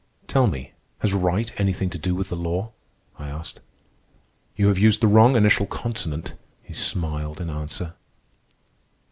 "Tell me, has right anything to do with the law?" I asked. "You have used the wrong initial consonant," he smiled in answer.